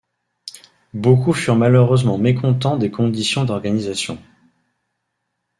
Beaucoup furent malheureusement mécontents des conditions d'organisation.